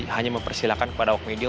hanya mempersilahkan kepada awak media